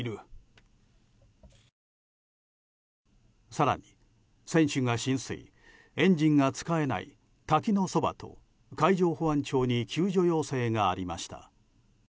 更に船首が浸水エンジンが使えない滝のそばと海上保安庁に救助要請がありました。